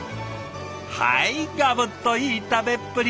はいガブッといい食べっぷり！